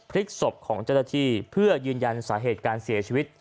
พลิกศพของเจ้าหน้าที่เพื่อยืนยันสาเหตุการเสียชีวิต